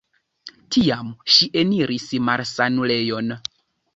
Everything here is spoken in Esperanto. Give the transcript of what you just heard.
Tiam ŝi eniris malsanulejon.